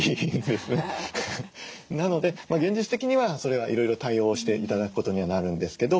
なので現実的にはそれはいろいろ対応して頂くことにはなるんですけど。